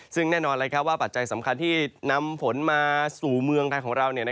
ซึ่งแน่นอนว่าปัจจัยสำคัญที่นำฝนมาสู่เมืองไทยของเรา